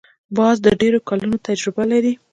باز د ډېرو کلونو تجربه لري